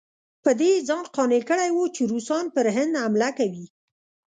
په دې یې ځان قانع کړی وو چې روسان پر هند حمله کوي.